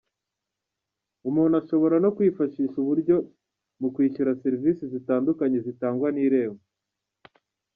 Umuntu ashobora no kwifashisha ubu buryo mu kwishyura serivisi zitandukanye zitangwa n’Irembo.